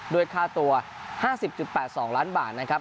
ด้วยค่าตัว๕๐๘๒ล้านบาทนะครับ